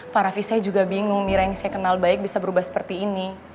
pak rafi saya juga bingung mira yang saya kenal baik bisa berubah seperti ini